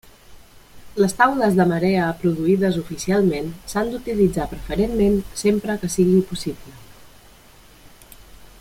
Les taules de marea produïdes oficialment s'han d'utilitzar preferentment sempre que sigui possible.